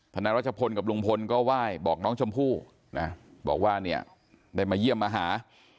นายรัชพลกับลุงพลก็ไหว้บอกน้องชมพู่นะบอกว่าเนี่ยได้มาเยี่ยมมาหา